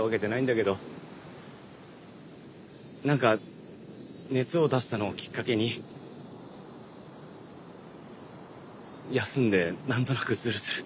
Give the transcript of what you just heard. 何か熱を出したのをきっかけに休んで何となくズルズル。